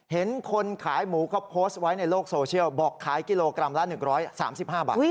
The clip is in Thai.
เห็นคนขายหมูเขาโพสต์ไว้ในโลกโซเชียลบอกขายกิโลกรัมละ๑๓๕บาท